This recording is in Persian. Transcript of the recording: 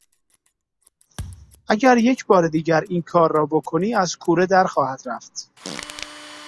اگر یکبار دیگر این کار را بکنی از کوره در خواهد رفت.